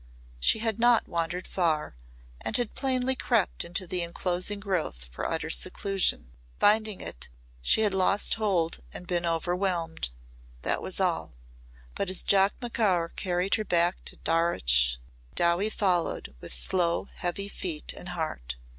She had not wandered far and had plainly crept into the enclosing growth for utter seclusion. Finding it she had lost hold and been overwhelmed. That was all. But as Jock Macaur carried her back to Darreuch, Dowie followed with slow heavy feet and heart.